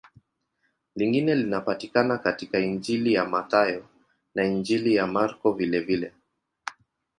Lingine linapatikana katika Injili ya Mathayo na Injili ya Marko vilevile.